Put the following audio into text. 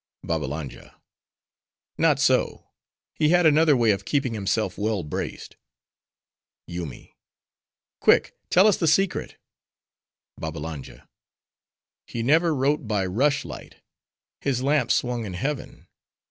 BABBALANJA—Not so; he had another way of keeping himself well braced. YOOMY—Quick! tell us the secret. BABBALANJA—He never wrote by rush light. His lamp swung in heaven.